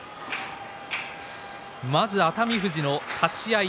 まず熱海富士の立ち合い